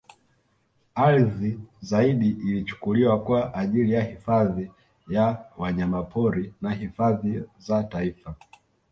Ardhi zaidi ilichukuliwa kwa ajili ya hifadhi ya wanyamapori na hifadhi za taifa